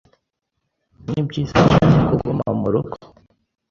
Nibyiza cyane kuguma murugo. (alec)